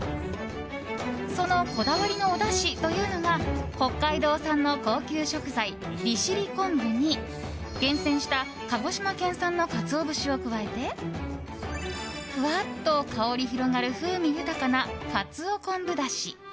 そのこだわりのおだしというのが北海道産の高級食材、利尻昆布に厳選した鹿児島県産のカツオ節を加えてふわっと香り広がる風味豊かなカツオ昆布だし。